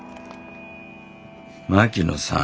槙野さん。